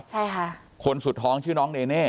ใช่ค่ะคนสุดท้องชื่อน้องเนเน่